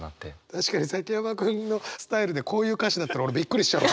確かに崎山君のスタイルでこういう歌詞だったら俺びっくりしちゃう。